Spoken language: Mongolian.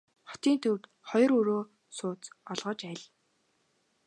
Хотын төвд хоёр өрөө сууц олгож аль.